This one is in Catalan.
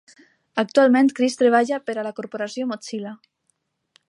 Actualment, Chris treballa per a la Corporació Mozilla.